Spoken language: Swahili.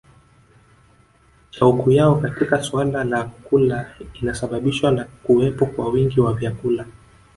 Shauku yao katika suala la kula inasababishwa na kuwepo kwa wingi wa vyakula